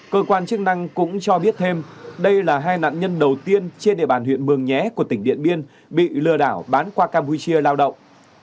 cơ quan chức năng cũng cho biết thêm đây là hai nạn nhân đầu tiên trên địa bàn huyện mường nhé của tỉnh điện biên bị lừa đảo bán qua campuchia lao động